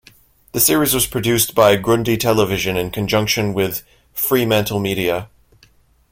The series was produced by Grundy Television in conjunction with FremantleMedia.